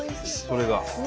それが。